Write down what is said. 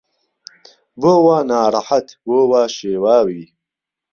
بۆ وا ناڕهحەت بۆ وا شێواوی